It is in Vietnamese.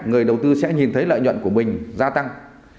người đầu tư sẽ nhìn thấy lợi nhuận của mình gia tăng